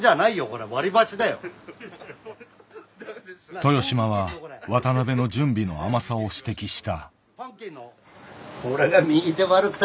豊島は渡辺の準備の甘さを指摘した。